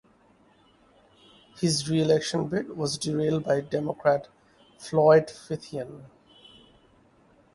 His re-election bid was derailed by Democrat Floyd Fithian.